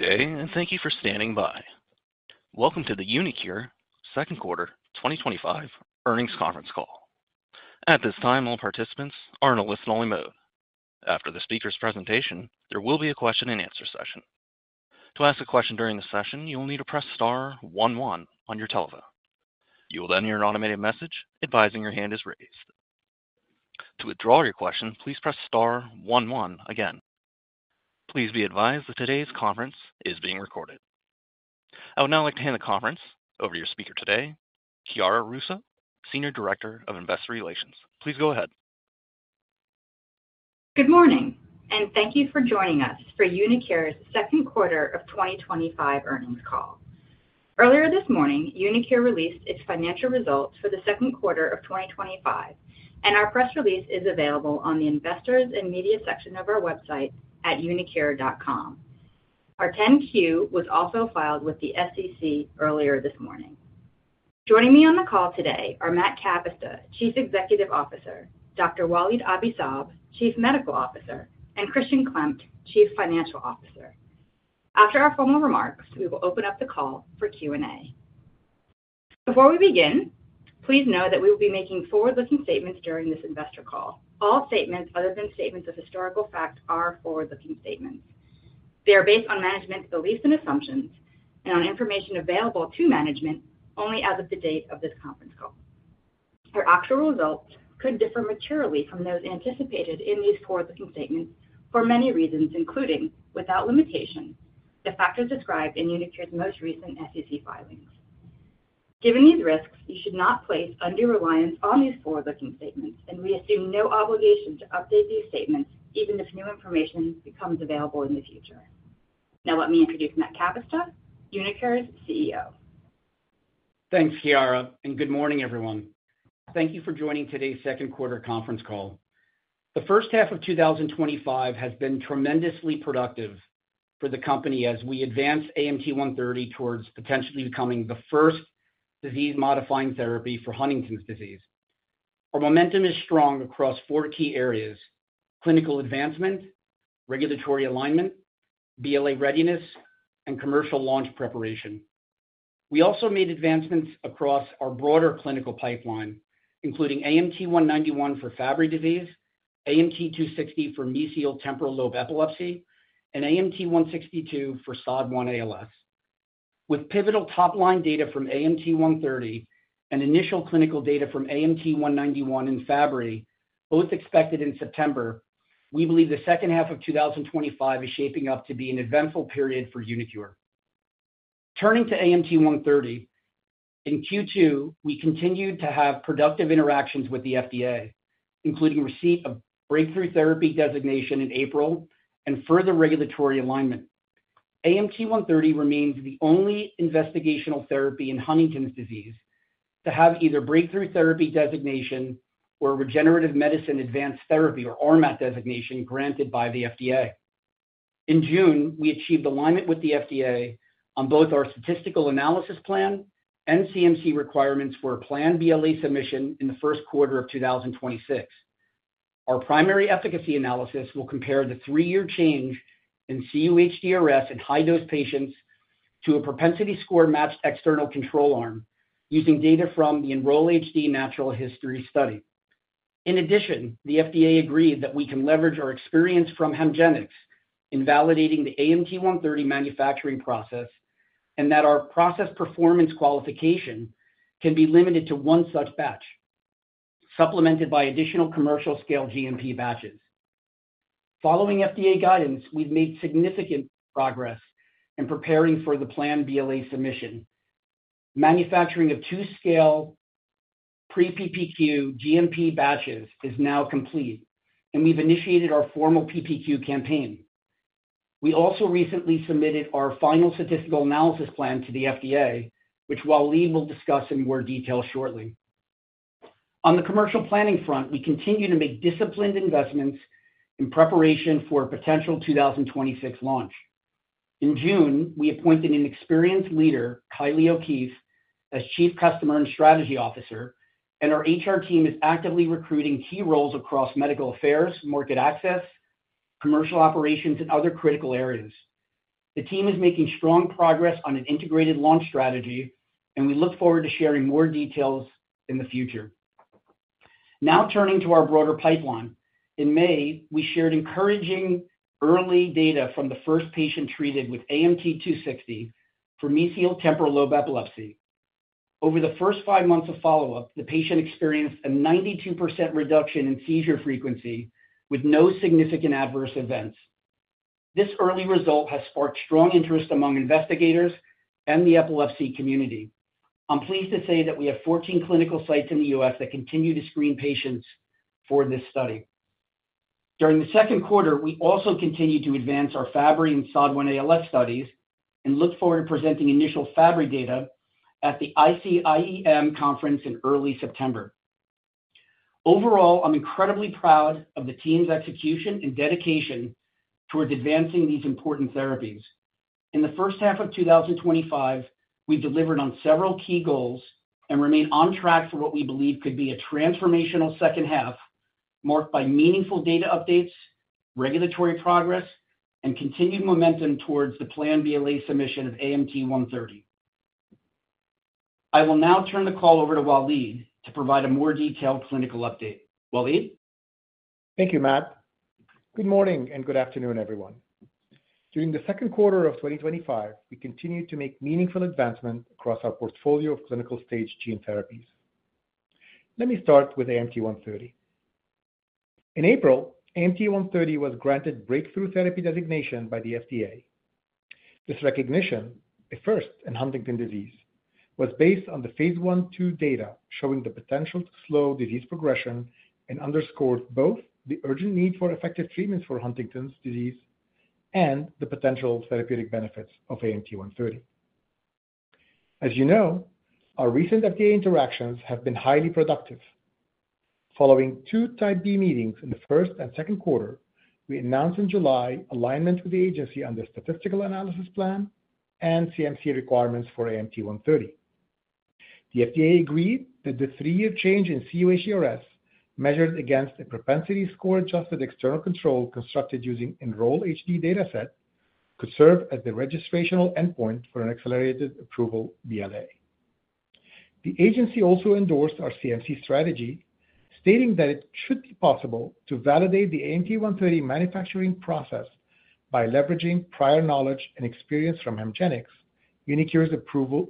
Good day and thank you for standing by. Welcome to the uniQure second quarter 2025 earnings conference call. At this time, all participants are in a listen-only mode. After the speaker's presentation, there will be a question and answer session. To ask a question during the session, you will need to press star one-one on your telephone. You will then hear an automated message advising your hand is raised. To withdraw your question, please press star one-one again. Please be advised that today's conference is being recorded. I would now like to hand the conference over to your speaker today, Chiara Russo, Senior Director of Investor Relations. Please go ahead. Good morning and thank you for joining us for uniQure's second quarter of 2025 earnings call. Earlier this morning, uniQure released its financial results for the second quarter of 2025, and our press release is available on the Investors and Media section of our website at uniqure.com. Our 10-Q was also filed with the SEC earlier this morning. Joining me on the call today are Matt Kapusta, Chief Executive Officer, Dr. Walid Abi-Saab, Chief Medical Officer, and Christian Klemt, Chief Financial Officer. After our formal remarks, we will open up the call for Q&A. Before we begin, please know that we will be making forward-looking statements during this investor call. All statements other than statements of historical fact are forward-looking statements. They are based on management's beliefs and assumptions and on information available to management only as of the date of this conference call. Our actual results could differ materially from those anticipated in these forward-looking statements for many reasons, including, without limitation, the factors described in uniQure's most recent SEC filings. Given these risks, we should not place undue reliance on these forward-looking statements, and we assume no obligation to update these statements even if new information becomes available in the future. Now, let me introduce Matt Kapusta, uniQure's CEO. Thanks, Chiara, and good morning, everyone. Thank you for joining today's second quarter conference call. The first half of 2025 has been tremendously productive for the company as we advance AMT-130 towards potentially becoming the first disease-modifying therapy for Huntington's disease. Our momentum is strong across four key areas: clinical advancement, regulatory alignment, BLA readiness, and commercial launch preparation. We also made advancements across our broader clinical pipeline, including AMT-191 for Fabry disease, AMT-260 for mesial temporal lobe epilepsy, and AMT-162 for SOD1 ALS. With pivotal top-line data from AMT-130 and initial clinical data from AMT-191 and Fabry, both expected in September, we believe the second half of 2025 is shaping up to be an eventful period for uniQure. Turning to AMT-130, in Q2, we continued to have productive interactions with the FDA, including receipt of breakthrough therapy designation in April and further regulatory alignment. AMT-130 remains the only investigational therapy in Huntington's disease to have either breakthrough therapy designation or regenerative medicine advanced therapy or RMAT designation granted by the FDA. In June, we achieved alignment with the FDA on both our statistical analysis plan and CMC requirements for a planned BLA submission in the first quarter of 2026. Our primary efficacy analysis will compare the three-year change in cUHDRS in high-dose patients to a propensity score-matched external control arm using data from the Enroll-HD natural history study. In addition, the FDA agreed that we can leverage our experience from HEMGENIX in validating the AMT-130 manufacturing process and that our process performance qualification can be limited to one such batch, supplemented by additional commercial-scale GMP batches. Following FDA guidance, we've made significant progress in preparing for the planned BLA submission. Manufacturing of two-scale pre-PPQ GMP batches is now complete, and we've initiated our formal PPQ campaign. We also recently submitted our final statistical analysis plan to the FDA, which Walid will discuss in more detail shortly. On the commercial planning front, we continue to make disciplined investments in preparation for a potential 2026 launch. In June, we appointed an experienced leader, Kylie O’Keefe, as Chief Customer and Strategy Officer, and our HR team is actively recruiting key roles across medical affairs, market access, commercial operations, and other critical areas. The team is making strong progress on an integrated launch strategy, and we look forward to sharing more details in the future. Now turning to our broader pipeline, in May, we shared encouraging early data from the first patient treated with AMT-260 for mesial temporal lobe epilepsy. Over the first five months of follow-up, the patient experienced a 92% reduction in seizure frequency with no significant adverse events. This early result has sparked strong interest among investigators and the epilepsy community. I'm pleased to say that we have 14 clinical sites in the U.S. that continue to screen patients for this study. During the second quarter, we also continue to advance our Fabry and SOD1 ALS studies and look forward to presenting initial Fabry data at the ICIEM conference in early September. Overall, I'm incredibly proud of the team's execution and dedication towards advancing these important therapies. In the first half of 2025, we delivered on several key goals and remain on track for what we believe could be a transformational second half marked by meaningful data updates, regulatory progress, and continued momentum towards the planned BLA submission of AMT-130. I will now turn the call over to Walid to provide a more detailed clinical update. Walid? Thank you, Matt. Good morning and good afternoon, everyone. During the second quarter of 2025, we continued to make meaningful advancements across our portfolio of clinical stage gene therapies. Let me start with AMT-130. In April, AMT-130 was granted breakthrough therapy designation by the FDA. This recognition, a first in Huntington's disease, was based on the phase one/two data showing the potential to slow disease progression and underscored both the urgent need for effective treatments for Huntington's disease and the potential therapeutic benefits of AMT-130. As you know, our recent FDA interactions have been highly productive. Following two Type B meetings in the first and second quarter, we announced in July alignment with the agency on the statistical analysis plan and CMC requirements for AMT-130. The FDA agreed that the three-year change in cUHDRS measured against a propensity score adjusted external control constructed using Enroll-HD dataset could serve as the registrational endpoint for an accelerated approval BLA. The agency also endorsed our CMC strategy, stating that it should be possible to validate the AMT-130 manufacturing process by leveraging prior knowledge and experience from HEMGENIX, uniQure's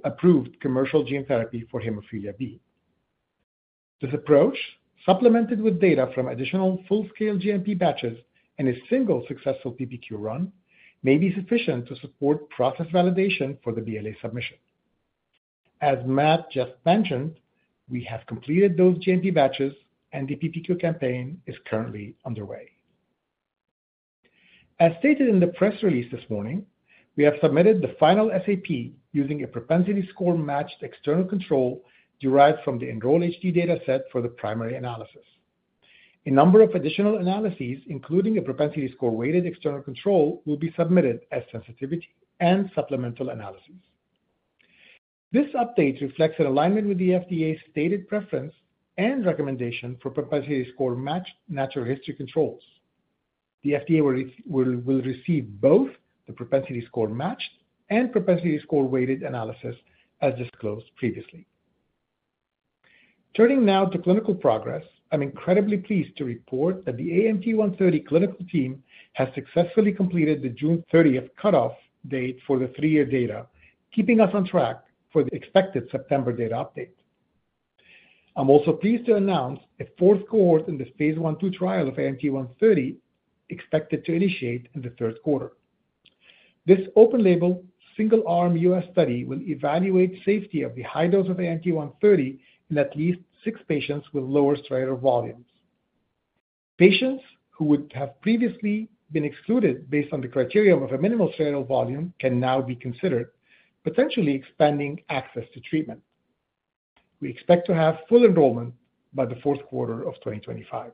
approved commercial gene therapy for hemophilia B. This approach, supplemented with data from additional full-scale GMP batches and a single successful PPQ run, may be sufficient to support process validation for the BLA submission. As Matt just mentioned, we have completed those GMP batches, and the PPQ campaign is currently underway. As stated in the press release this morning, we have submitted the final SAP using a propensity score matched external control derived from the Enroll-HD dataset for the primary analysis. A number of additional analyses, including a propensity score weighted external control, will be submitted as sensitivity and supplemental analyses. This update reflects an alignment with the FDA's stated preference and recommendation for propensity score matched natural history controls. The FDA will receive both the propensity score matched and propensity score weighted analysis, as disclosed previously. Turning now to clinical progress, I'm incredibly pleased to report that the AMT-130 clinical team has successfully completed the June 30th cutoff date for the three-year data, keeping us on track for the expected September data update. I'm also pleased to announce a fourth cohort in the phase one/two trial of AMT-130, expected to initiate in the third quarter. This open-label, single-arm U.S. study will evaluate the safety of the high dose of AMT-130 in at least six patients with lower striatal volume. Patients who would have previously been excluded based on the criteria of a minimal striatal volume can now be considered, potentially expanding access to treatment. We expect to have full enrollment by the fourth quarter of 2025.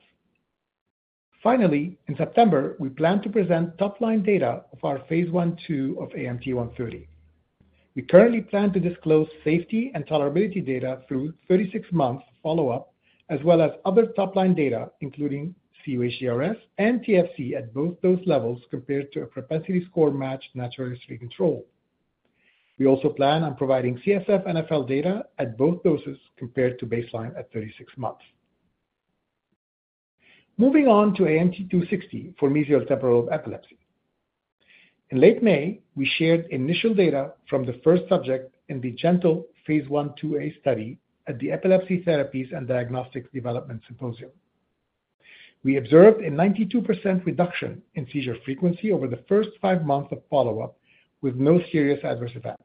Finally, in September, we plan to present top-line data of our phase one/two of AMT-130. We currently plan to disclose safety and tolerability data through 36-month follow-up, as well as other top-line data, including cUHDRS and TFC at both dose levels compared to a propensity score-matched natural history control. We also plan on providing CSF NfL data at both doses compared to baseline at 36 months. Moving on to AMT-260 for mesial temporal lobe epilepsy. In late May, we shared initial data from the first subject in the Gentle phase one/two a study at the Epilepsy Therapies and Diagnostics Development Symposium. We observed a 92% reduction in seizure frequency over the first five months of follow-up, with no serious adverse events.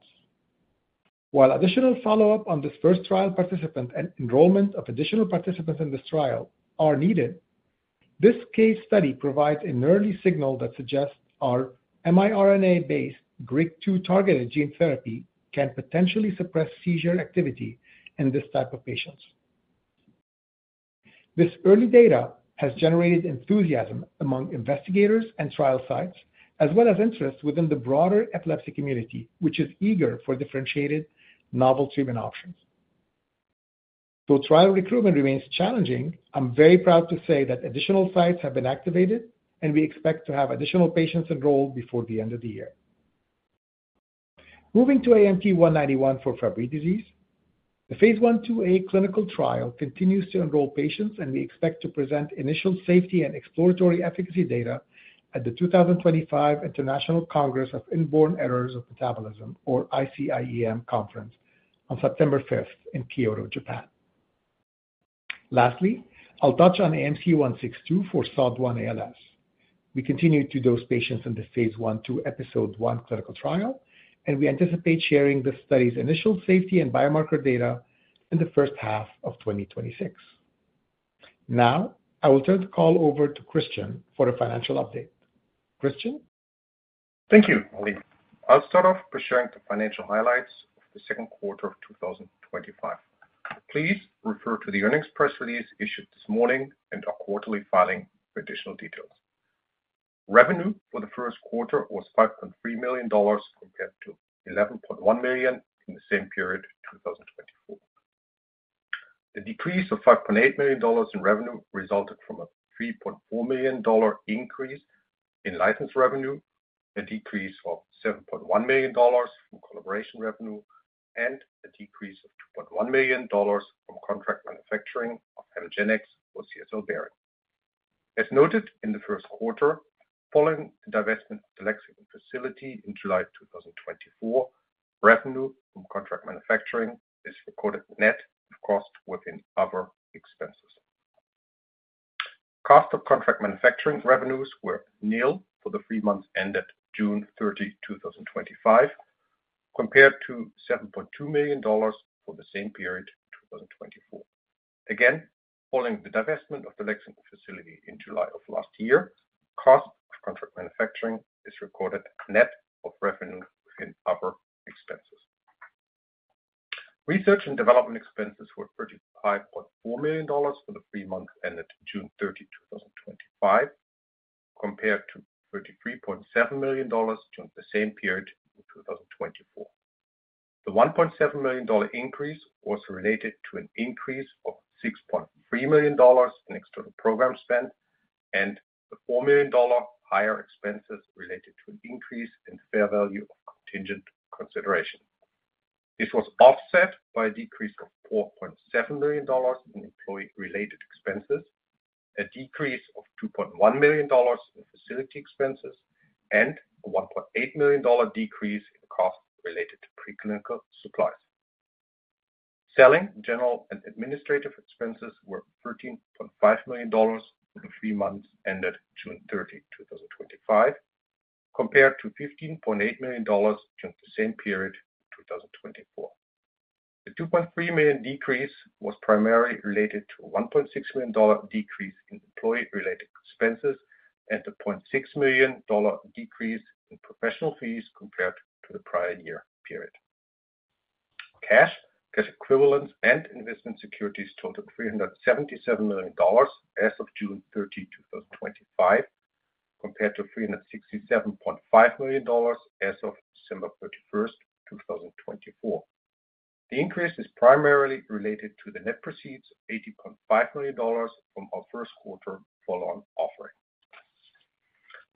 While additional follow-up on this first trial participant and enrollment of additional participants in this trial are needed, this case study provides an early signal that suggests our mRNA-based GRK2-targeted gene therapy can potentially suppress seizure activity in this type of patient. This early data has generated enthusiasm among investigators and trial sites, as well as interest within the broader epilepsy community, which is eager for differentiated, novel treatment options. Though trial recruitment remains challenging, I'm very proud to say that additional sites have been activated, and we expect to have additional patients enrolled before the end of the year. Moving to AMT-191 for Fabry disease, the phase one/two a clinical trial continues to enroll patients, and we expect to present initial safety and exploratory efficacy data at the 2025 International Congress of Inborn Errors of Metabolism, or ICIEM Conference, on September 5th in Kyoto, Japan. Lastly, I'll touch on AMT-162 for SOD1 ALS. We continue to dose patients in the phase one/two episode one clinical trial, and we anticipate sharing the study's initial safety and biomarker data in the first half of 2026. Now, I will turn the call over to Christian for a financial update. Christian? Thank you, Walid. I'll start off by sharing the financial highlights of the second quarter of 2025. Please refer to the earnings press release issued this morning and our quarterly filing for additional details. Revenue for the first quarter was $5.3 million compared to $11.1 million in the same period in 2024. The decrease of $5.8 million in revenue resulted from a $3.4 million increase in license revenue, a decrease of $7.1 million in collaboration revenue, and a decrease of $1.1 million from contract manufacturing of HEMGENIX for CSL Behring. As noted in the first quarter, following divestment of the Lexington facility in July 2024, revenue from contract manufacturing is recorded net of cost within other expenses. Cost of contract manufacturing revenues were nil for the three months ended June 30, 2025, compared to $7.2 million for the same period, 2024. Following the divestment of the Lexington facility in July of last year, cost of contract manufacturing is recorded net of revenue within other expenses. Research and development expenses were $35.4 million for the three months ended June 30, 2025, compared to $33.7 million during the same period in 2024. The $1.7 million increase was related to an increase of $6.3 million in external program spend and the $4 million higher expenses related to an increase in fair value of contingent consideration. This was offset by a decrease of $4.7 million in employee-related expenses, a decrease of $2.1 million in facility expenses, and a $1.8 million decrease in cost related to preclinical supplies. Selling, general, and administrative expenses were $13.5 million for the three months ended June 30, 2025, compared to $15.8 million during the same period, 2024. The $2.3 million decrease was primarily related to a $1.6 million decrease in employee-related expenses and a $0.6 million decrease in professional fees compared to the prior year period. Cash, cash equivalents, and investment securities totaled $377 million as of June 30, 2025, compared to $367.5 million as of December 31, 2024. The increase is primarily related to the net proceeds of $80.5 million from our first quarter follow-on offering.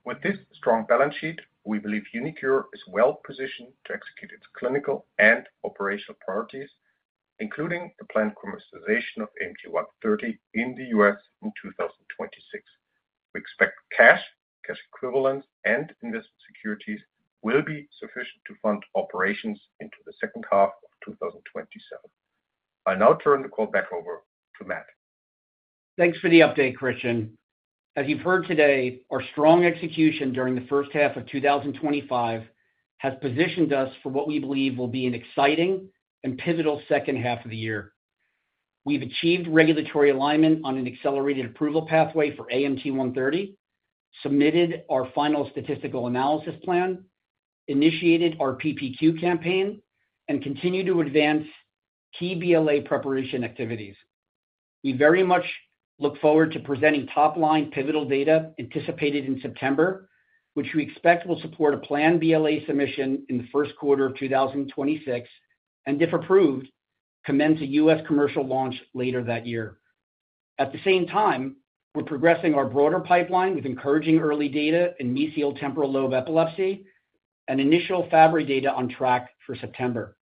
With this strong balance sheet, we believe uniQure is well positioned to execute its clinical and operational priorities, including the planned commercialization of AMT-130 in the U.S. in 2026. We expect cash, cash equivalents, and investment securities will be sufficient to fund operations into the second half of 2027. I'll now turn the call back over to Matt. Thanks for the update, Christian. As you've heard today, our strong execution during the first half of 2025 has positioned us for what we believe will be an exciting and pivotal second half of the year. We've achieved regulatory alignment on an accelerated approval pathway for AMT-130, submitted our final statistical analysis plan, initiated our PPQ campaign, and continue to advance key BLA preparation activities. We very much look forward to presenting top-line pivotal data anticipated in September, which we expect will support a planned BLA submission in the first quarter of 2026, and if approved, commence a U.S. commercial launch later that year. At the same time, we're progressing our broader pipeline with encouraging early data in mesial temporal lobe epilepsy and initial Fabry data on track for September.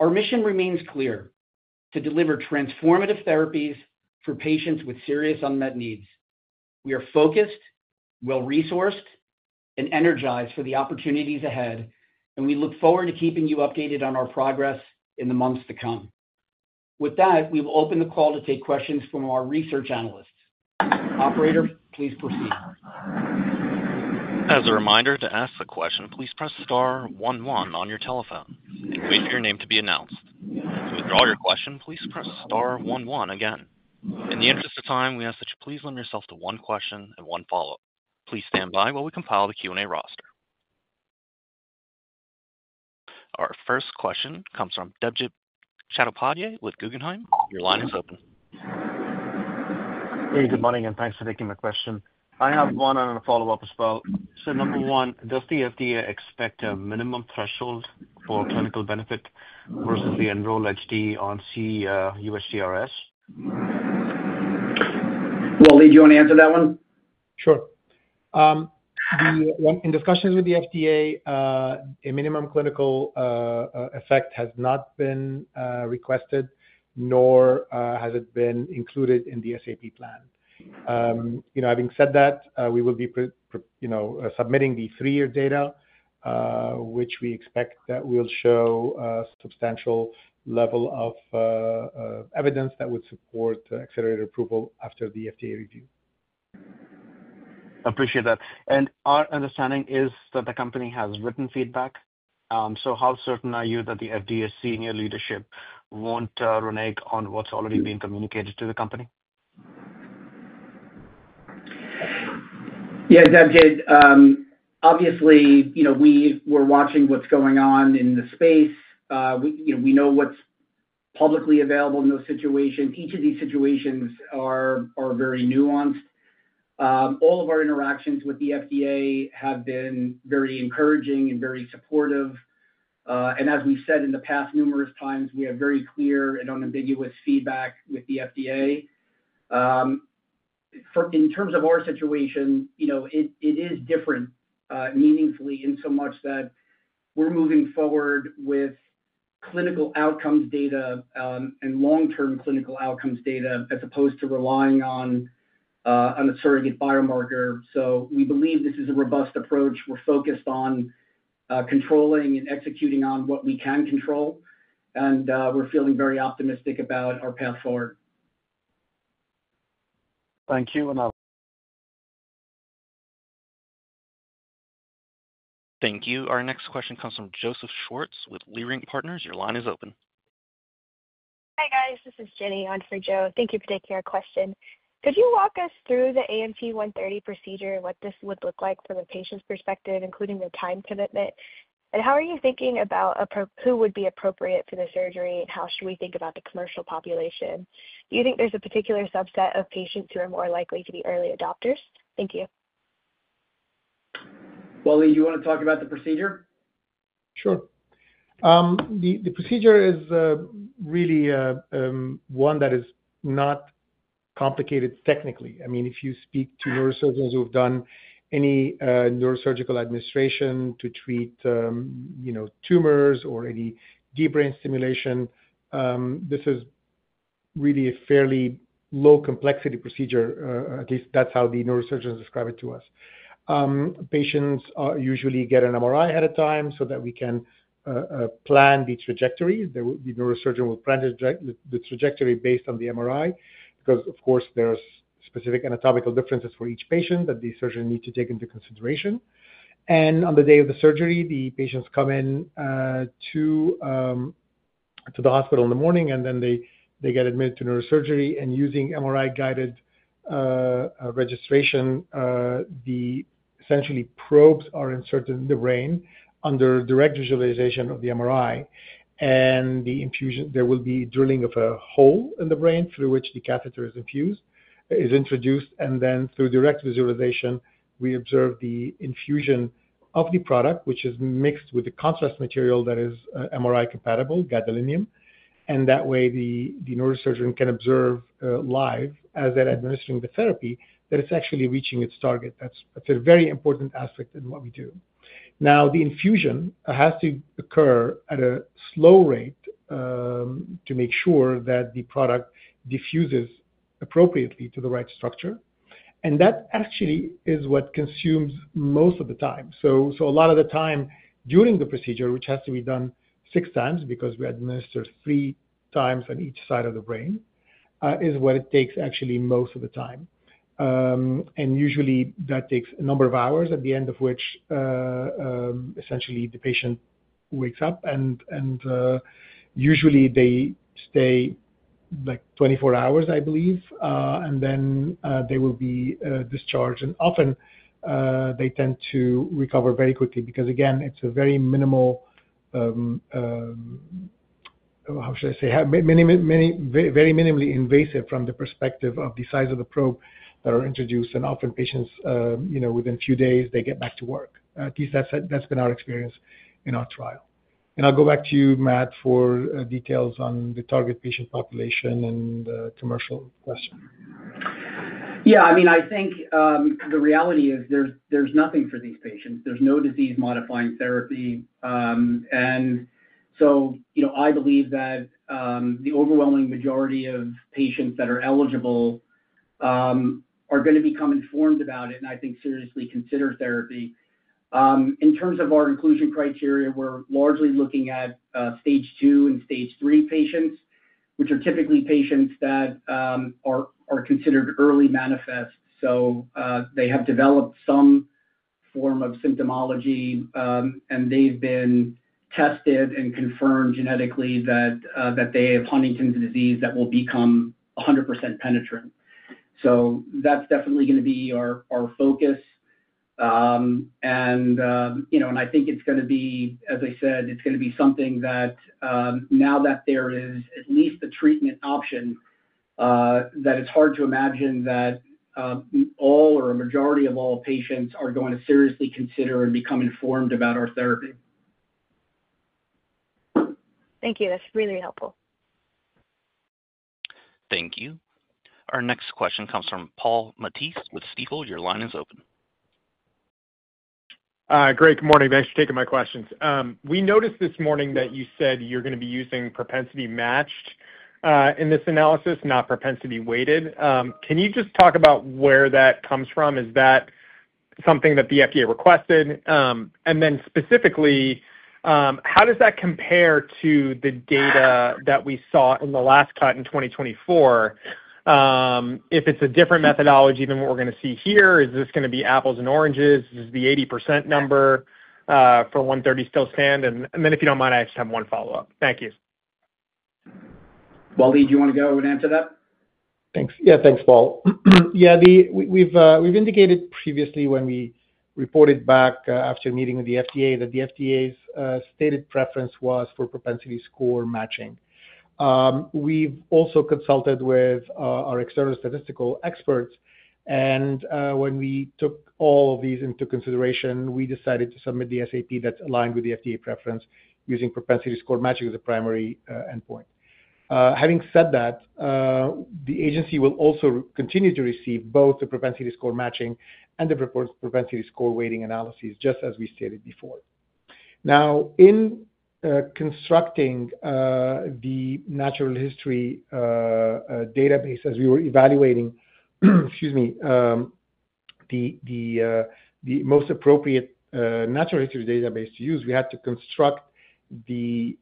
Our mission remains clear: to deliver transformative therapies for patients with serious unmet needs. We are focused, well-resourced, and energized for the opportunities ahead, and we look forward to keeping you updated on our progress in the months to come. With that, we will open the call to take questions from our research analysts. Operator, please proceed. As a reminder, to ask a question, please press star 11 on your telephone. Expect your name to be announced. To withdraw your question, please press star 11 again. In the interest of time, we ask that you please limit yourself to one question and one follow-up. Please stand by while we compile the Q&A roster. Our first question comes from Debjit Chattopadhyay with Guggenheim. Your line is open. Hey, good morning, and thanks for taking my question. I have one and a follow-up as well. Number one, does the FDA expect a minimum threshold for clinical benefit versus the Enroll-HD on cUHDRS? Walid, you want to answer that one? Sure. In discussions with the FDA, a minimum clinical effect has not been requested, nor has it been included in the SAP plan. Having said that, we will be submitting the three-year data, which we expect will show a substantial level of evidence that would support accelerated approval after the FDA review. I appreciate that. Our understanding is that the company has written feedback. How certain are you that the FDA's senior leadership won't renege on what's already been communicated to the company? Yeah, obviously, you know, we were watching what's going on in the space. You know, we know what's publicly available in those situations. Each of these situations are very nuanced. All of our interactions with the FDA have been very encouraging and very supportive. As we've said in the past numerous times, we have very clear and unambiguous feedback with the FDA. In terms of our situation, you know, it is different meaningfully in so much that we're moving forward with clinical outcomes data and long-term clinical outcomes data as opposed to relying on a surrogate biomarker. We believe this is a robust approach. We're focused on controlling and executing on what we can control, and we're feeling very optimistic about our path forward. Thank you. Thank you. Our next question comes from Joseph Schwartz with Leerink Partners. Your line is open. Hi, guys. This is Jenny on for Joe. Thank you for taking our question. Could you walk us through the AMT-130 procedure and what this would look like from a patient's perspective, including the time commitment? How are you thinking about who would be appropriate for the surgery, and how should we think about the commercial population? Do you think there's a particular subset of patients who are more likely to be early adopters? Thank you. Walid, you want to talk about the procedure? Sure. The procedure is really one that is not complicated technically. I mean, if you speak to neurosurgeons who have done any neurosurgical administration to treat tumors or any deep brain stimulation, this is really a fairly low-complexity procedure. At least that's how the neurosurgeons describe it to us. Patients usually get an MRI ahead of time so that we can plan the trajectory. The neurosurgeon will plan the trajectory based on the MRI because, of course, there are specific anatomical differences for each patient that the surgeon needs to take into consideration. On the day of the surgery, the patients come in to the hospital in the morning, and then they get admitted to neurosurgery. Using MRI-guided registration, essentially, probes are inserted in the brain under direct visualization of the MRI. There will be drilling of a hole in the brain through which the catheter is introduced. Through direct visualization, we observe the infusion of the product, which is mixed with the contrast material that is MRI-compatible, gadolinium. That way, the neurosurgeon can observe live as they're administering the therapy that it's actually reaching its target. That's a very important aspect in what we do. The infusion has to occur at a slow rate to make sure that the product diffuses appropriately to the right structure. That actually is what consumes most of the time. A lot of the time during the procedure, which has to be done six times because we administer three times on each side of the brain, is what it takes actually most of the time. Usually, that takes a number of hours, at the end of which, essentially, the patient wakes up. Usually, they stay like 24 hours, I believe. Then they will be discharged. Often, they tend to recover very quickly because, again, it's a very minimal, how should I say, very minimally invasive from the perspective of the size of the probe that are introduced. Often, patients, you know, within a few days, they get back to work. At least that's been our experience in our trial. I'll go back to you, Matt, for details on the target patient population and the commercial question. I think the reality is there's nothing for these patients. There's no disease-modifying therapy. I believe that the overwhelming majority of patients that are eligible are going to become informed about it and I think seriously consider therapy. In terms of our inclusion criteria, we're largely looking at stage two and stage three patients, which are typically patients that are considered early manifests. They have developed some form of symptomology, and they've been tested and confirmed genetically that they have Huntington's disease that will become 100% penetrant. That's definitely going to be our focus. I think it's going to be, as I said, something that now that there is at least a treatment option, it's hard to imagine that all or a majority of all patients are not going to seriously consider and become informed about our therapy. Thank you. That's really helpful. Thank you. Our next question comes from Paul Matteis with Stifel. Your line is open. Great. Good morning. Thanks for taking my questions. We noticed this morning that you said you're going to be using propensity score-matched in this analysis, not propensity weighted. Can you just talk about where that comes from? Is that something that the FDA requested? Specifically, how does that compare to the data that we saw in the last cut in 2024? If it's a different methodology than what we're going to see here, is this going to be apples and oranges? Is this the 80% number for the 130 still stand? If you don't mind, I just have one follow-up. Thank you. Walid, you want to go and answer that? Thanks. Yeah, thanks, Paul. We've indicated previously when we reported back after meeting with the FDA that the FDA's stated preference was for propensity score matching. We've also consulted with our external statistical experts. When we took all of these into consideration, we decided to submit the SAP that's aligned with the FDA preference using propensity score matching as a primary endpoint. Having said that, the agency will also continue to receive both the propensity score matching and the propensity score weighting analyses, just as we stated before. In constructing the natural history database, as we were evaluating, excuse me, the most appropriate natural history database to use, we had to construct the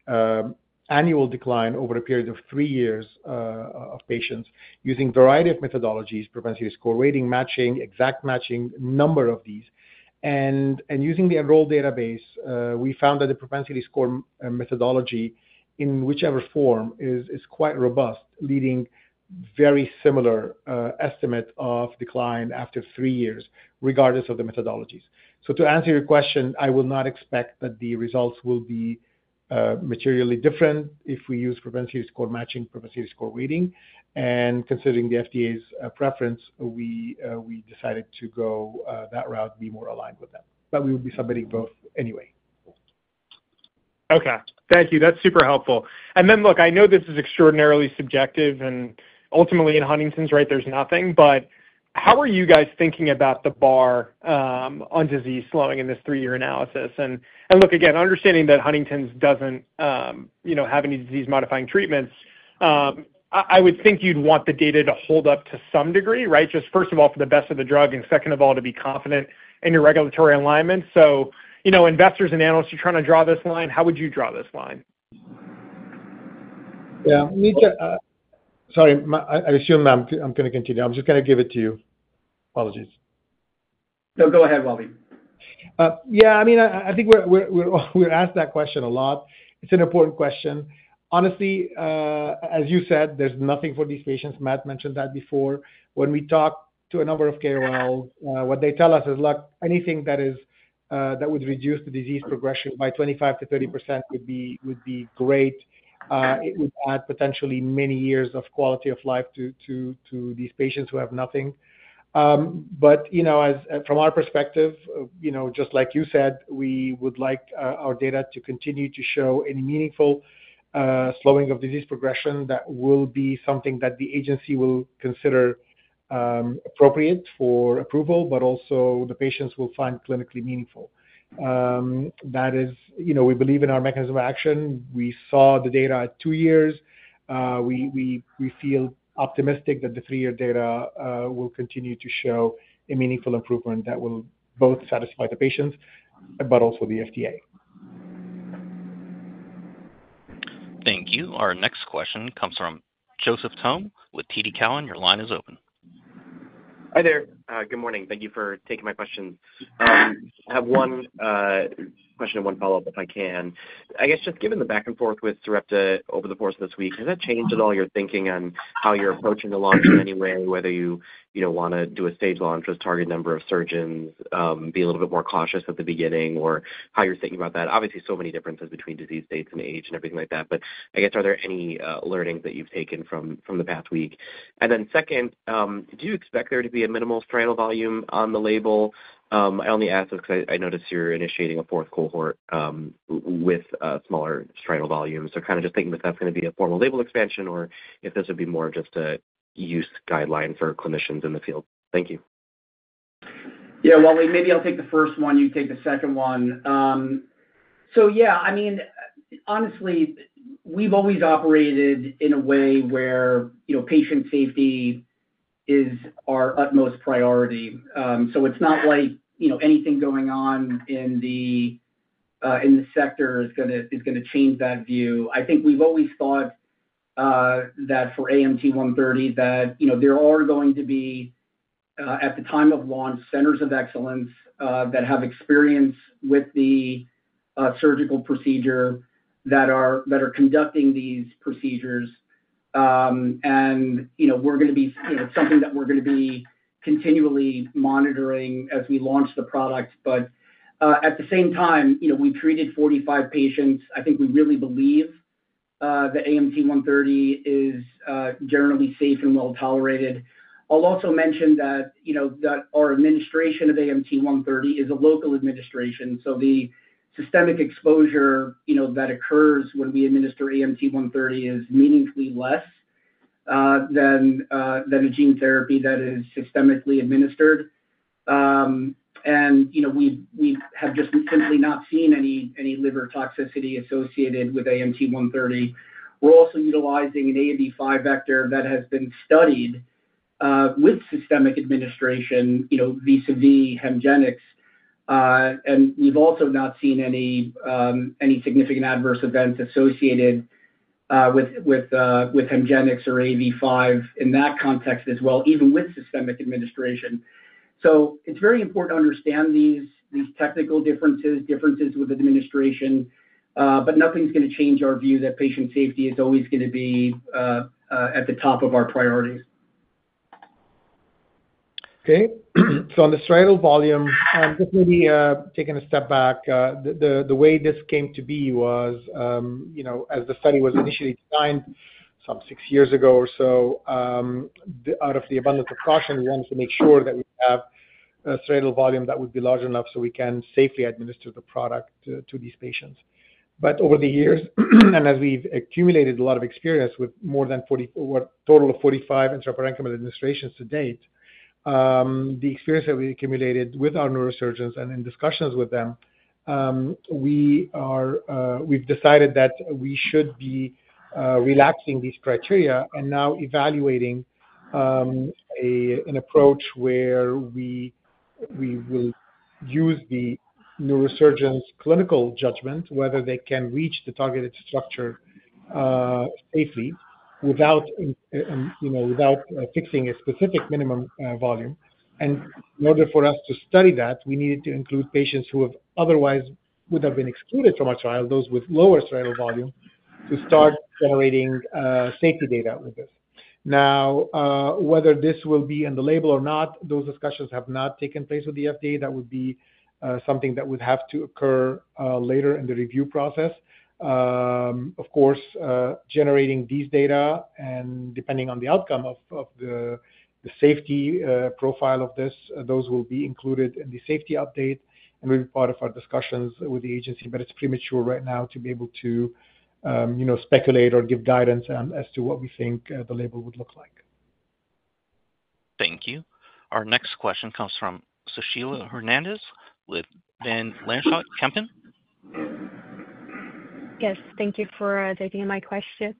annual decline over a period of three years of patients using a variety of methodologies: propensity score weighting, matching, exact matching, a number of these. Using the Enroll-HD database, we found that the propensity score methodology, in whichever form, is quite robust, leading to a very similar estimate of decline after three years, regardless of the methodologies. To answer your question, I will not expect that the results will be materially different if we use propensity score matching or propensity score weighting. Considering the FDA's preference, we decided to go that route, be more aligned with that. We will be submitting both anyway. Okay. Thank you. That's super helpful. I know this is extraordinarily subjective, and ultimately, in Huntington's, right, there's nothing. How are you guys thinking about the bar on disease slowing in this three-year analysis? Understanding that Huntington's doesn't have any disease-modifying treatments, I would think you'd want the data to hold up to some degree, right? First of all, for the best of the drug, and second of all, to be confident in your regulatory alignment. Investors and analysts, you're trying to draw this line. How would you draw this line? Sorry, I assume that I'm going to continue. I'm just going to give it to you. Apologies. No, go ahead, Walid. Yeah, I mean, I think we're asked that question a lot. It's an important question. Honestly, as you said, there's nothing for these patients. Matt mentioned that before. When we talk to a number of KOLs, what they tell us is, "Look, anything that would reduce the disease progression by 25%-30% would be great. It would add potentially many years of quality of life to these patients who have nothing." From our perspective, just like you said, we would like our data to continue to show any meaningful slowing of disease progression that will be something that the agency will consider appropriate for approval, but also the patients will find clinically meaningful. That is, we believe in our mechanism of action. We saw the data at two years. We feel optimistic that the three-year data will continue to show a meaningful improvement that will both satisfy the patients but also the FDA. Thank you. Our next question comes from Joseph Thome with TD Cowen. Your line is open. Hi there. Good morning. Thank you for taking my question. I have one question and one follow-up if I can. Just given the back and forth with Sarepta over the course of this week, has that changed at all your thinking on how you're approaching the launch in any way, whether you want to do a staged launch with a target number of surgeons, being a little bit more cautious at the beginning, or how you're thinking about that? Obviously, so many differences between disease states and age and everything like that. I guess are there any learnings that you've taken from the past week? Second, do you expect there to be a minimal striatal volume on the label? I only ask this because I noticed you're initiating a fourth cohort with smaller striatal volumes. Kind of just thinking that that's going to be a formal label expansion or if this would be more just a use guideline for clinicians in the field. Thank you. Yeah, Walid, maybe I'll take the first one. You take the second one. Honestly, we've always operated in a way where patient safety is our utmost priority. It's not like anything going on in the sector is going to change that view. I think we've always thought that for AMT-130, there are going to be, at the time of launch, centers of excellence that have experience with the surgical procedure that are conducting these procedures. We're going to be continually monitoring as we launch the product. At the same time, we've treated 45 patients. I think we really believe that AMT-130 is generally safe and well tolerated. I'll also mention that our administration of AMT-130 is a local administration. The systemic exposure that occurs when we administer AMT-130 is meaningfully less than a gene therapy that is systemically administered. We have just simply not seen any liver toxicity associated with AMT-130. We're also utilizing an AAV5 vector that has been studied with systemic administration, BCV, HEMGENIX. We've also not seen any significant adverse events associated with HEMGENIX or AAV5 in that context as well, even with systemic administration. It's very important to understand these technical differences, differences with administration, but nothing's going to change our view that patient safety is always going to be at the top of our priority. Okay. On the striatal volume, just maybe taking a step back, the way this came to be was, as the study was initially designed some six years ago or so, out of the abundant precaution, we wanted to make sure that we have a striatal volume that would be large enough so we can safely administer the product to these patients. Over the years, and as we've accumulated a lot of experience with more than 40, a total of 45 intraparenchymal administrations to date, the experience that we accumulated with our neurosurgeons and in discussions with them, we've decided that we should be relaxing these criteria and now evaluating an approach where we will use the neurosurgeon's clinical judgment, whether they can reach the targeted structure safely without fixing a specific minimum volume. In order for us to study that, we needed to include patients who otherwise would have been excluded from our trial, those with lower striatal volume, to start generating safety data with it. Whether this will be in the label or not, those discussions have not taken place with the FDA. That would be something that would have to occur later in the review process. Of course, generating these data and depending on the outcome of the safety profile of this, those will be included in the safety update and will be part of our discussions with the agency. It's premature right now to be able to speculate or give guidance as to what we think the label would look like. Thank you. Our next question comes from Sushila Hernandez with Van Lanschot Kempen. Yes, thank you for taking my question.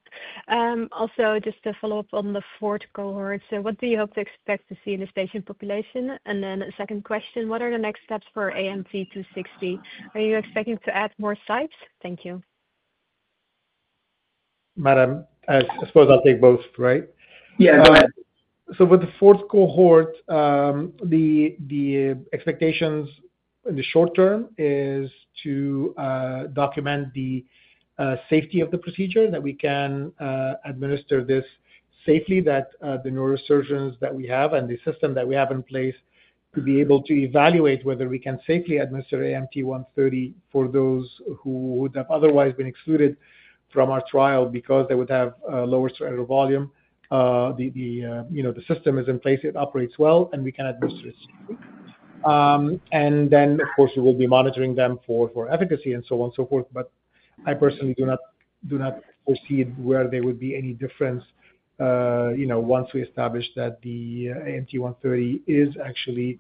Just to follow up on the fourth cohort, what do you hope to expect to see in this patient population? The second question, what are the next steps for AMT-260? Are you expecting to add more sites? Thank you. Madam, I suppose I'll take both, right? Yeah. With the fourth cohort, the expectations in the short term are to document the safety of the procedure, that we can administer this safely, that the neurosurgeons that we have and the system that we have in place are able to evaluate whether we can safely administer AMT-130 for those who would have otherwise been excluded from our trial because they would have a lower striatal volume. The system is in place, it operates well, and we can administer it safely. Of course, we will be monitoring them for efficacy and so on and so forth. I personally do not foresee where there would be any difference once we establish that the AMT-130 is actually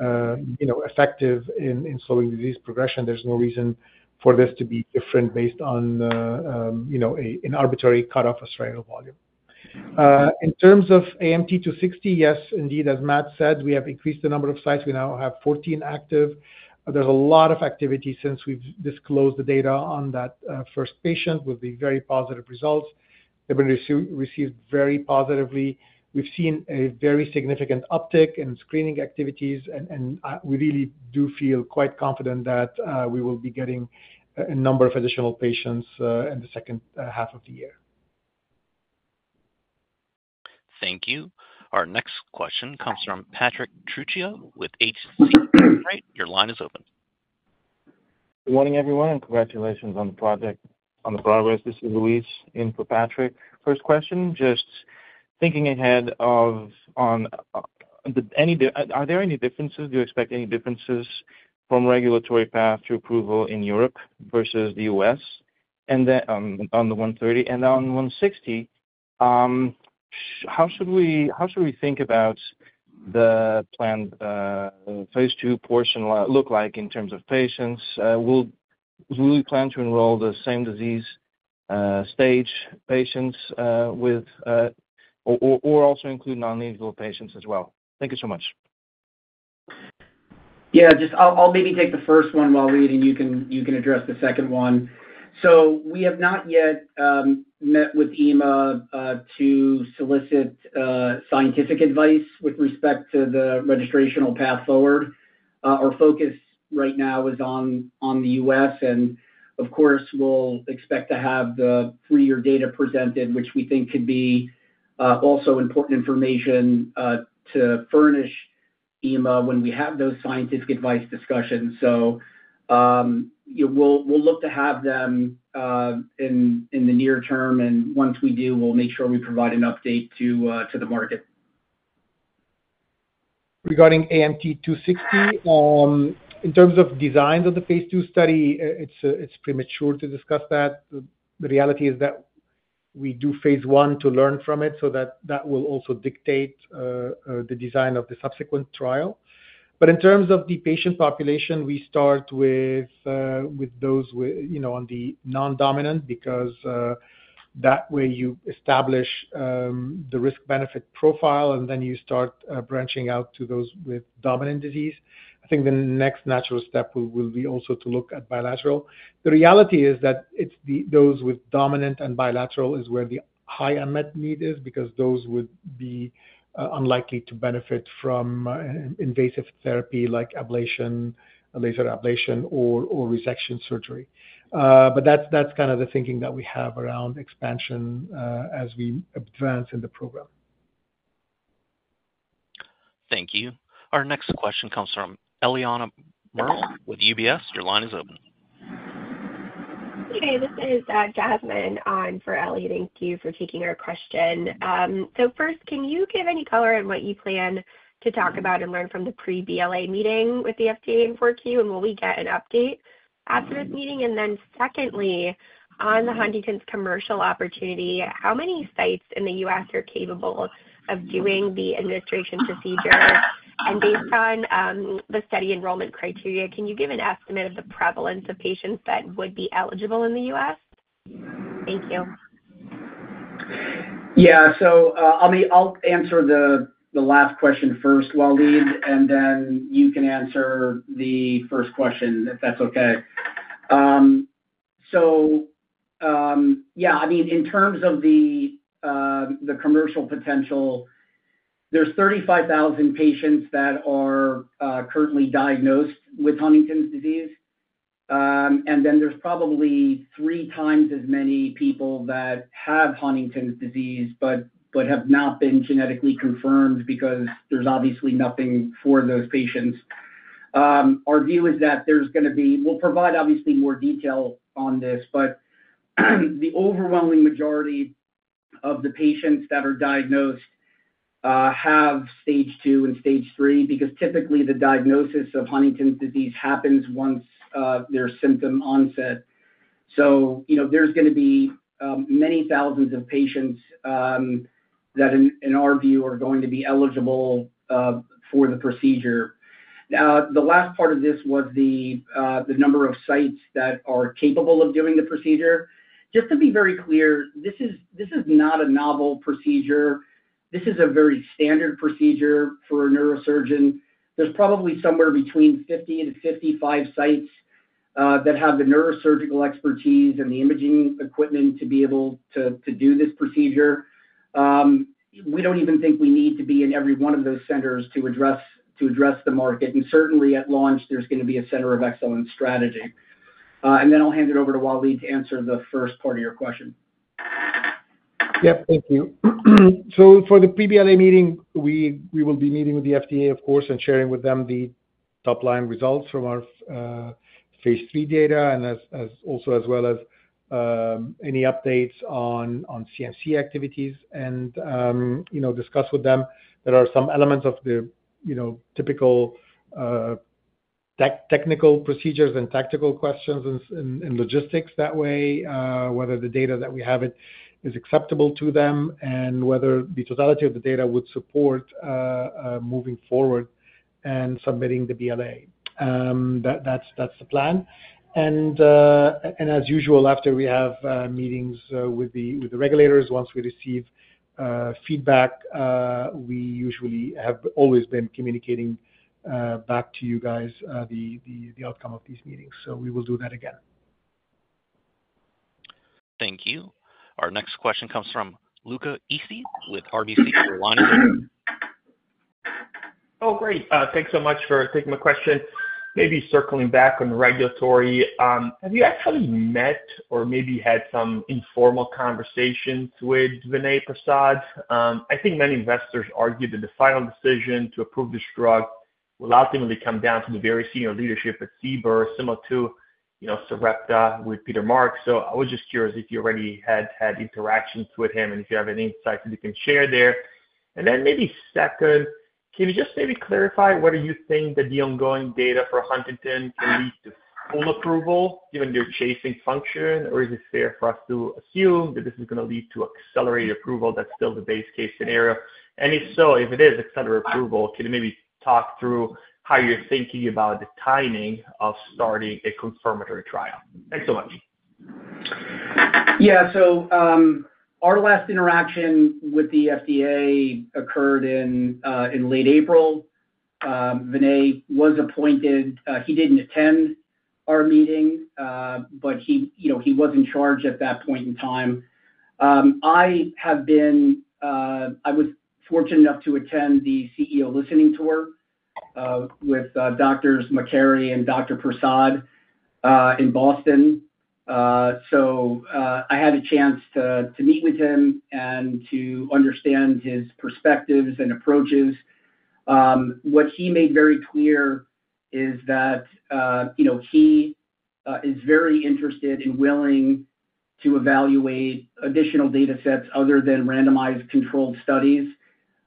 effective in slowing the disease progression. There's no reason for this to be different based on an arbitrary cutoff of striatal volume. In terms of AMT-260, yes, indeed, as Matt said, we have increased the number of sites. We now have 14 active. There's a lot of activity since we've disclosed the data on that first patient with the very positive results. They've been received very positively. We've seen a very significant uptick in screening activities, and we really do feel quite confident that we will be getting a number of additional patients in the second half of the year. Thank you. Our next question comes from Patrick Trucchio with H.C. Wainwright. Your line is open. Good morning, everyone, and congratulations on the project. I'm the collaborator. This is Luis, in for Patrick. First question, just thinking ahead, are there any differences? Do you expect any differences from regulatory path to approval in Europe versus the U.S.? On the AMT-130 and on the AMT-162, how should we think about the planned phase two portion look like in terms of patients? Will we plan to enroll the same disease stage patients or also include non-legal patients as well? Thank you so much. I'll maybe take the first one, Walid, and you can address the second one. We have not yet met with EMA to solicit scientific advice with respect to the registrational path forward. Our focus right now is on the U.S. We expect to have the three-year data presented, which we think could be also important information to furnish EMA when we have those scientific advice discussions. We'll look to have them in the near term. Once we do, we'll make sure we provide an update to the market. Regarding AMT-260, in terms of designs of the phase two study, it's premature to discuss that. The reality is that we do phase one to learn from it, so that will also dictate the design of the subsequent trial. In terms of the patient population, we start with those on the non-dominant because that way you establish the risk-benefit profile, and then you start branching out to those with dominant disease. I think the next natural step will be also to look at bilateral. The reality is that those with dominant and bilateral is where the high unmet need is because those would be unlikely to benefit from invasive therapy like ablation, laser ablation, or resection surgery. That's kind of the thinking that we have around expansion as we advance in the program. Thank you. Our next question comes from Eliana Merle with UBS. Your line is open. Hey, this is Jasmine on for Eli. Thank you for taking our question. First, can you give any color on what you plan to talk about and learn from the pre-BLA meeting with the FDA in 4Q, and will we get an update after this meeting? Secondly, on the Huntington's commercial opportunity, how many sites in the U.S. are capable of doing the administration procedure? Based on the study enrollment criteria, can you give an estimate of the prevalence of patients that would be eligible in the U.S.? Thank you. I'll answer the last question first, Walid, and then you can answer the first question if that's okay. In terms of the commercial potential, there's 35,000 patients that are currently diagnosed with Huntington's disease. There's probably three times as many people that have Huntington's disease but have not been genetically confirmed because there's obviously nothing for those patients. Our view is that we'll provide more detail on this, but I think the overwhelming majority of the patients that are diagnosed have stage two and stage three because typically the diagnosis of Huntington's disease happens once there's symptom onset. There's going to be many thousands of patients that, in our view, are going to be eligible for the procedure. The last part of this was the number of sites that are capable of doing the procedure. Just to be very clear, this is not a novel procedure. This is a very standard procedure for a neurosurgeon. There's probably somewhere between 50-55 sites that have the neurosurgical expertise and the imaging equipment to be able to do this procedure. We don't even think we need to be in every one of those centers to address the market. Certainly, at launch, there's going to be a center of excellence strategy. I'll hand it over to Walid to answer the first part of your question. Thank you. For the pre-BLA meeting, we will be meeting with the FDA and sharing with them the top-line results from our phase three data as well as any updates on CMC activities. We will discuss with them that there are some elements of the typical technical procedures and tactical questions and logistics that way, whether the data that we have is acceptable to them and whether the totality of the data would support moving forward and submitting the BLA. That's the plan. As usual, after we have meetings with the regulators, once we receive feedback, we usually have always been communicating back to you guys the outcome of these meetings. We will do that again. Thank you. Our next question comes from Luca Issi with RBC. Your line is open. Oh, great. Thanks so much for taking my question. Maybe circling back on the regulatory, have you actually met or maybe had some informal conversations with Vinay Prasad? I think many investors argue that the final decision to approve this drug will ultimately come down to the very senior leadership at CBER, similar to Sarepta with Peter Marks. I was just curious if you already had had interactions with him and if you have any insights that you can share there. Maybe second, can you just clarify whether you think that the ongoing data for Huntington can lead to full approval given their chasing function, or is it fair for us to assume that this is going to lead to accelerated approval? That's still the base case scenario. If it is accelerated approval, can you talk through how you're thinking about the timing of starting a confirmatory trial? Thanks so much. Yeah. Our last interaction with the FDA occurred in late April. Vinay was appointed. He didn't attend our meeting, but he was in charge at that point in time. I was fortunate enough to attend the CEO listening tour with Dr. Makary and Dr. Prasad in Boston. I had a chance to meet with him and to understand his perspectives and approaches. What he made very clear is that he is very interested and willing to evaluate additional data sets other than randomized controlled studies.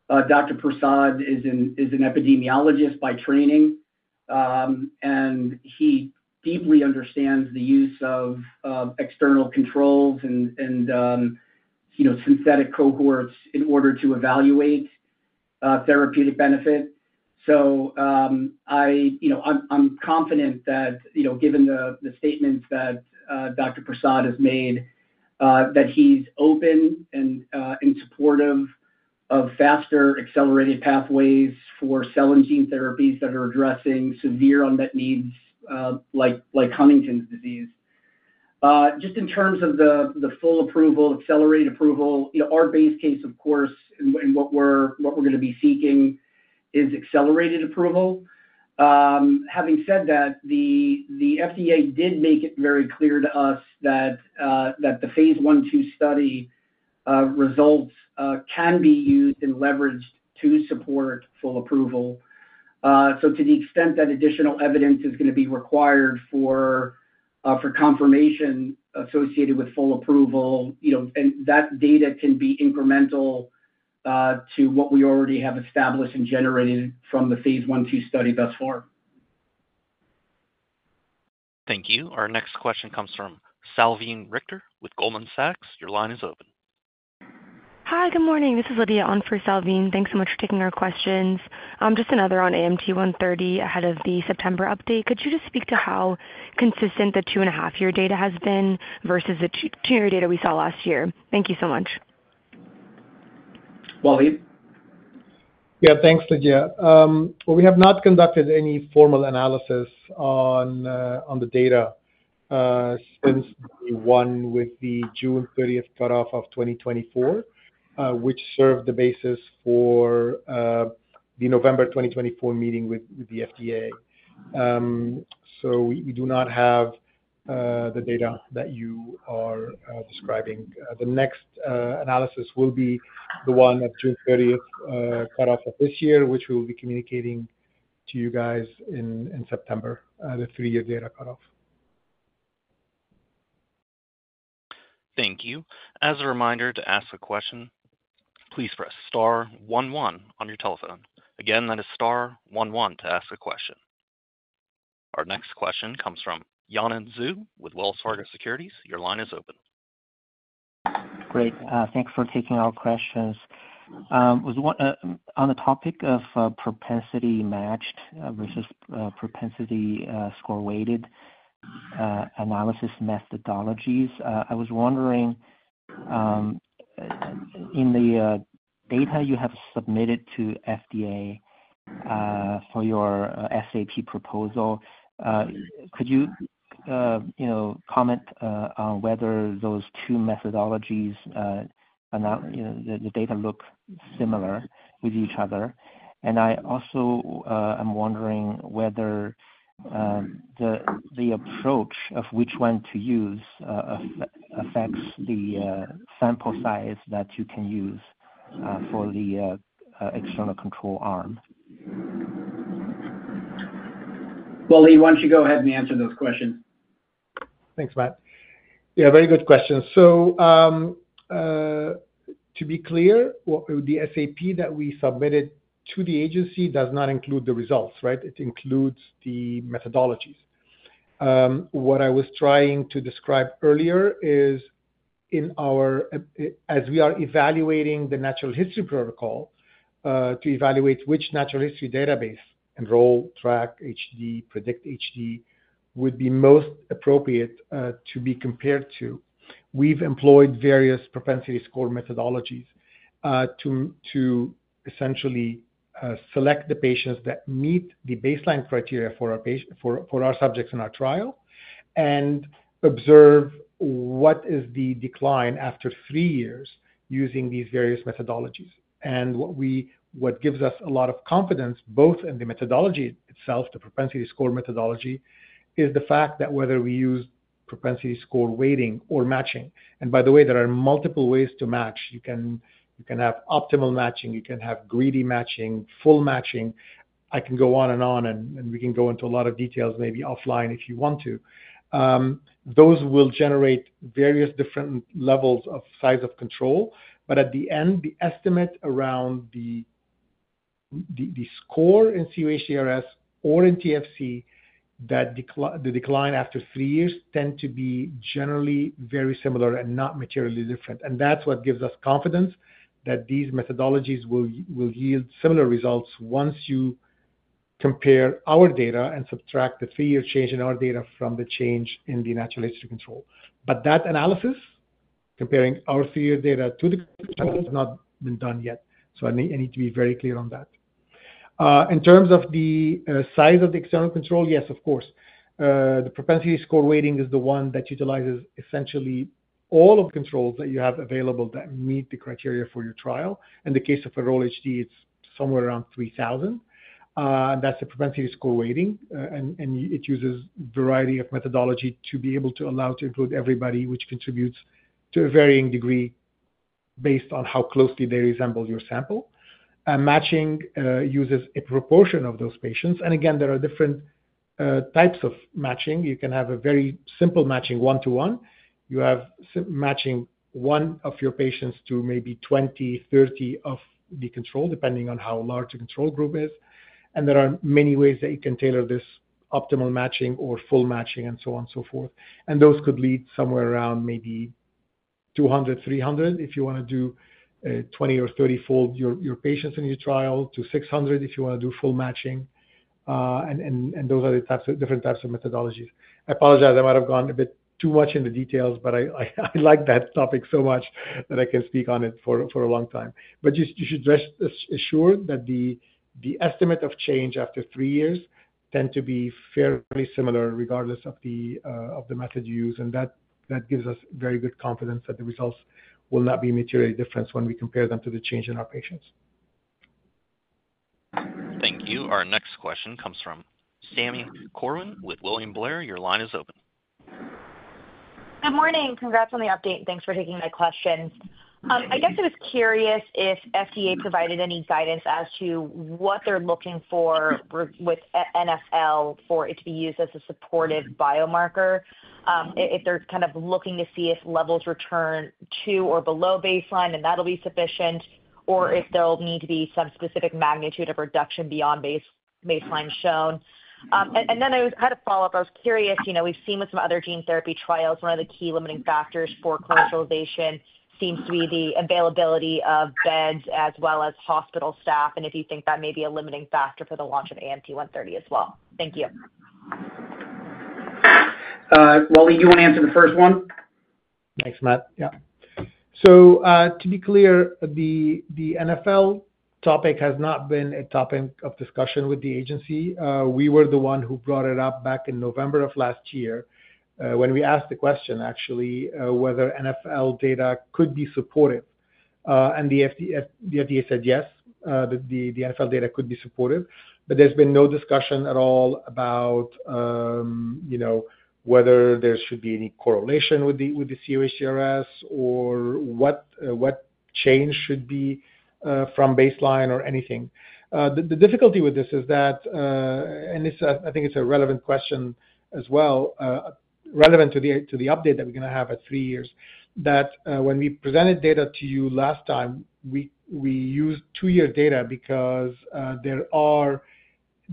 Dr. Prasad is an epidemiologist by training, and he deeply understands the use of external controls and synthetic cohorts in order to evaluate therapeutic benefit. I'm confident that, given the statements that Dr. Prasad has made, he's open and supportive of faster accelerated pathways for cell and gene therapies that are addressing severe unmet needs like Huntington's disease. Just in terms of the full approval, accelerated approval, our base case, of course, and what we're going to be seeking is accelerated approval. Having said that, the FDA did make it very clear to us that the phase one two study results can be used and leveraged to support full approval. To the extent that additional evidence is going to be required for confirmation associated with full approval, that data can be incremental to what we already have established and generated from the phase one two study thus far. Thank you. Our next question comes from Salveen Richter with Goldman Sachs. Your line is open. Hi, good morning. This is Lydia on for Salveen. Thanks so much for taking our questions. Just another on AMT-130 ahead of the September update. Could you just speak to how consistent the two-and-a-half-year data has been versus the two-year data we saw last year? Thank you so much. Walid? Thanks, Lydia. We have not conducted any formal analysis on the data since the one with the June 30, 2024 cutoff, which served as the basis for the November 2024 meeting with the FDA. We do not have the data that you are describing. The next analysis will be the one with the June 30 cutoff of this year, which we will be communicating to you in September, the three-year data cutoff. Thank you. As a reminder, to ask a question, please press star one-one on your telephone. Again, that is star one-one to ask a question. Our next question comes from Yanan Zhu with Wells Fargo Securities. Your line is open. Great. Thanks for taking our questions. On the topic of propensity matched versus propensity score-weighted analysis methodologies, I was wondering in the data you have submitted to the FDA for your SAP proposal, could you comment on whether those two methodologies are not, you know, the data look similar with each other? I also am wondering whether the absorption of which one to use affects the sample size that you can use for the external control arm. Walid, why don't you go ahead and answer this question? Thanks, Matt. Yeah, very good question. To be clear, the SAP that we submitted to the agency does not include the results, right? It includes the methodologies. What I was trying to describe earlier is, as we are evaluating the natural history protocol to evaluate which natural history database, Enroll, TRACK-HD, PREDICT-HD, would be most appropriate to be compared to, we've employed various propensity score methodologies to essentially select the patients that meet the baseline criteria for our subjects in our trial and observe what is the decline after three years using these various methodologies. What gives us a lot of confidence, both in the methodology itself, the propensity score methodology, is the fact that whether we use propensity score weighting or matching. By the way, there are multiple ways to match. You can have optimal matching, you can have greedy matching, full matching. I can go on and on, and we can go into a lot of details maybe offline if you want to. Those will generate various different levels of size of control. At the end, the estimate around the score in cUHDRS or in TFC, the decline after three years tends to be generally very similar and not materially different. That is what gives us confidence that these methodologies will yield similar results once you compare our data and subtract the three-year change in our data from the change in the natural history control. That analysis, comparing our three-year data to the, has not been done yet. I need to be very clear on that. In terms of the size of the external control, yes, of course. The propensity score weighting is the one that utilizes essentially all of the controls that you have available that meet the criteria for your trial. In the case of Enroll-HD, it's somewhere around 3,000. That's a propensity score weighting, and it uses a variety of methodology to be able to allow to include everybody, which contributes to a varying degree based on how closely they resemble your sample. Matching uses a proportion of those patients. Again, there are different types of matching. You can have a very simple matching, one to one. You have matching one of your patients to maybe 20-30 of the control, depending on how large the control group is. There are many ways that you can tailor this, optimal matching or full matching and so on and so forth. Those could lead somewhere around maybe 200-300 if you want to do a 20 or 30-fold your patients in your trial to 600 if you want to do full matching. Those are the different types of methodologies. I apologize. I might have gone a bit too much in the details, but I like that topic so much that I can speak on it for a long time. You should rest assured that the estimate of change after three years tends to be fairly similar regardless of the method you use. That gives us very good confidence that the results will not be materially different when we compare them to the change in our patients. Thank you. Our next question comes from Sami Corwin with William Blair. Your line is open. Good morning. Congrats on the update. Thanks for taking my questions. I guess I was curious if FDA provided any guidance as to what they're looking for with NfL for it to be used as a supportive biomarker, if they're kind of looking to see if levels return to or below baseline and that'll be sufficient, or if there will need to be some specific magnitude of reduction beyond baseline shown. I was kind of follow up. I was curious, you know, we've seen with some other gene therapy trials, one of the key limiting factors for commercialization seems to be the availability of beds as well as hospital staff. If you think that may be a limiting factor for the launch of AMT-130 as well. Thank you. Walid, you want to answer the first one? Thanks, Matt. Yeah. To be clear, the NfL topic has not been a topic of discussion with the agency. We were the one who brought it up back in November of last year when we asked the question, actually, whether NfL data could be supported. The FDA said yes, that the NfL data could be supported. There's been no discussion at all about whether there should be any correlation with the cUHDRS or what change should be from baseline or anything. The difficulty with this is that, and I think it's a relevant question as well, relevant to the update that we're going to have at three years, that when we presented data to you last time, we used two-year data because there are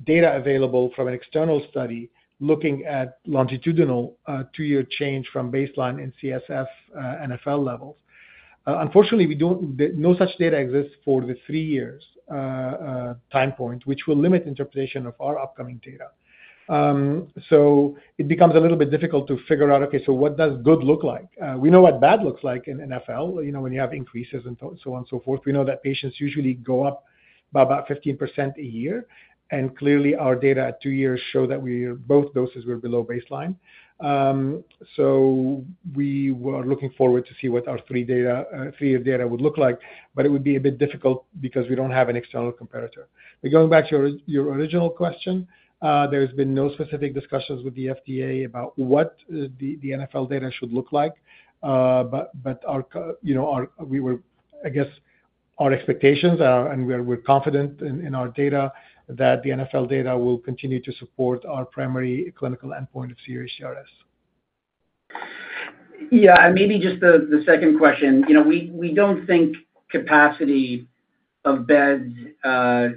data available from an external study looking at longitudinal two-year change from baseline and CSF NfL levels. Unfortunately, no such data exists for the three-year time point, which will limit interpretation of our upcoming data. It becomes a little bit difficult to figure out, okay, what does good look like? We know what bad looks like in NfL, you know, when you have increases and so on and so forth. We know that patients usually go up by about 15% a year. Clearly, our data at two years show that both doses were below baseline. We were looking forward to see what our three-year data would look like. It would be a bit difficult because we don't have an external comparator. Going back to your original question, there's been no specific discussions with the FDA about what the NfL data should look like. Our expectations are, and we're confident in our data, that the NfL data will continue to support our primary clinical endpoint of cUHDRS. Yeah, maybe just the second question. We don't think capacity of beds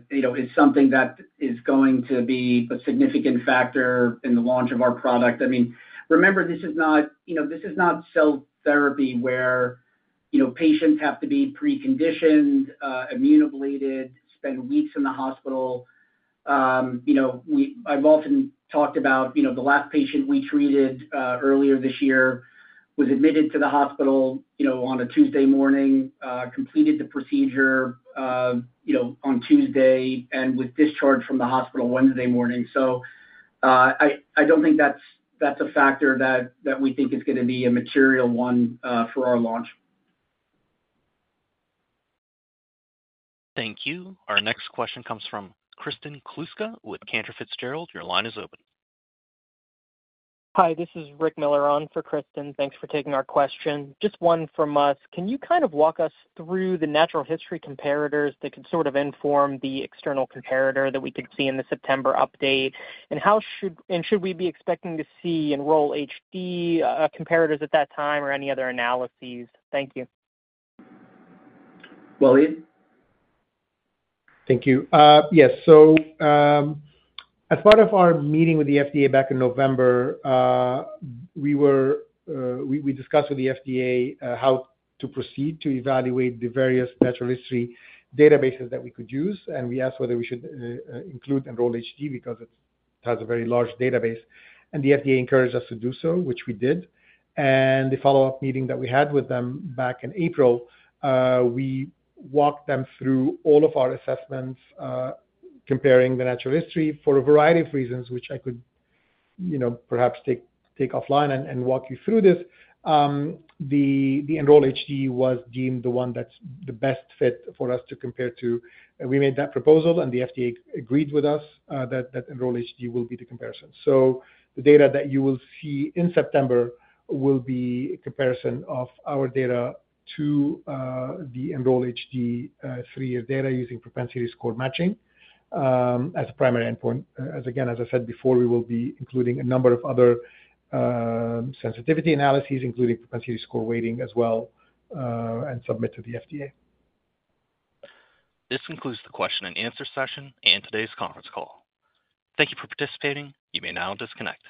is something that is going to be a significant factor in the launch of our product. I mean, remember, this is not cell therapy where patients have to be preconditioned, immune ablated, spend weeks in the hospital. I've often talked about the last patient we treated earlier this year who was admitted to the hospital on a Tuesday morning, completed the procedure on Tuesday, and was discharged from the hospital Wednesday morning. I don't think that's a factor that we think is going to be a material one for our launch. Thank you. Our next question comes from Kristen Kluska with Cantor Fitzgerald. Your line is open. Hi, this is Rick Miller on for Kristen. Thanks for taking our question. Just one from us. Can you kind of walk us through the natural history comparators that could sort of inform the external comparator that we could see in the September update? How should we be expecting to see Enroll-HD comparators at that time or any other analyses? Thank you. Thank you. Yes, as part of our meeting with the FDA back in November, we discussed with the FDA how to proceed to evaluate the various natural history databases that we could use. We asked whether we should include Enroll-HD because it has a very large database. The FDA encouraged us to do so, which we did. In the follow-up meeting that we had with them back in April, we walked them through all of our assessments, comparing the natural history for a variety of reasons, which I could perhaps take offline and walk you through. Enroll-HD was deemed the one that's the best fit for us to compare to. We made that proposal, and the FDA agreed with us that Enroll-HD will be the comparison. The data that you will see in September will be a comparison of our data to the Enroll-HD three-year data using propensity score matching as a primary endpoint. Again, as I said before, we will be including a number of other sensitivity analyses, including propensity score weighting as well, and submit to the FDA. This concludes the question and answer session and today's conference call. Thank you for participating. You may now disconnect.